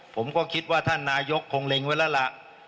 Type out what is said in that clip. ผมก็คิดว่าท่านนายกคงเล็งไว้แล้วล่ะ